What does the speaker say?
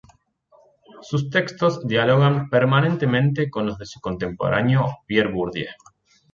Sus textos dialogan permanentemente con los de su contemporáneo Pierre Bourdieu.